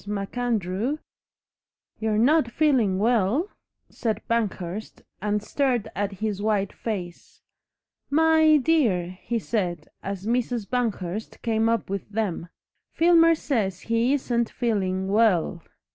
MacAndrew " "You're not feeling WELL?" said Banghurst, and stared at his white face. "My dear!" he said, as Mrs. Banghurst came up with them, "Filmer says he isn't feeling WELL."